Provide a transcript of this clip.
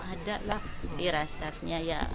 ada lah irasatnya ya